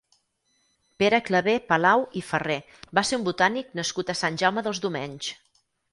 Pere Claver Palau i Ferrer va ser un botànic nascut a Sant Jaume dels Domenys.